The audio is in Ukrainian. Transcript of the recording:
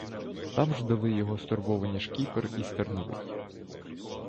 Там ждали його стурбовані шкіпер і стерновий.